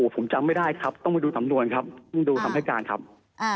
ผมจำไม่ได้ครับต้องไปดูสำนวนครับต้องดูคำให้การครับ